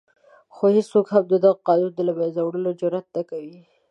خو هېڅوک هم د دغه قانون د له منځه وړلو جرآت نه کوي.